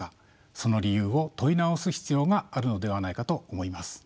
その理由を問い直す必要があるのではないかと思います。